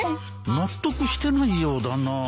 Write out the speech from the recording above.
納得してないようだなぁ